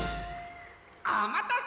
おまたせ！